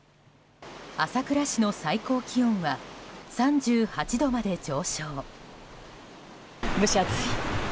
朝倉市の最高気温は３８度まで上昇。